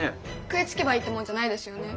食いつけばいいってもんじゃないですよね？